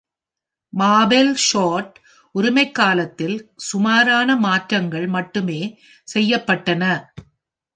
மாபெல் சோட் உரிமைக்காலத்தில் சுமாரான மாற்றங்கள் மட்டுமே செய்யப்பட்டன.